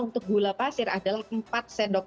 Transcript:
untuk gula pasir adalah empat sendok